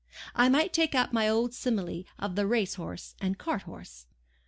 I might take up my old simile of the race horse and cart horse.